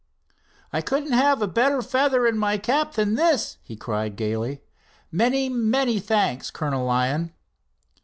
"I couldn't have a better feather in my cap than this," he cried gaily. "Many, many, thanks, Colonel Lyon."